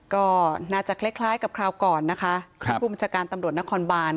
ก็น่าจะคล้ายคล้ายกับคราวก่อนนะคะที่ผู้บัญชาการตำรวจนครบาน